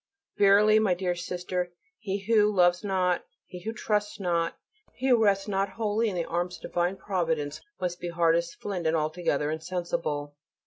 Verily, my dear Sister, he who loves not, he who trusts not, he who rests not wholly in the arms of divine Providence must be hard as flint and altogether insensible.